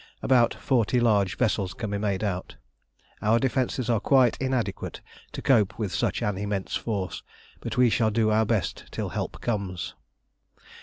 About forty large vessels can be made out. Our defences are quite inadequate to cope with such an immense force, but we shall do our best till help comes.